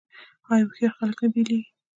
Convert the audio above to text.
آیا هوښیار خلک نه بیلیږي؟